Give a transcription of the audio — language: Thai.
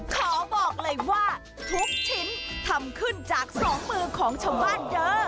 ขอบอกเลยว่าทุกชิ้นทำขึ้นจากสองมือของชาวบ้านเด้อ